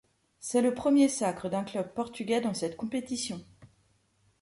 C'est le premier sacre d'un club portugais dans cette compétition.